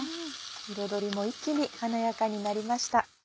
彩りも一気に華やかになりました。